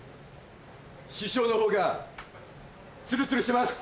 師匠のほうがツルツルしてます！